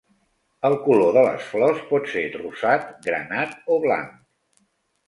El color de les flors pot ser rosat, granat o blanc.